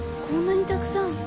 こんなにたくさん。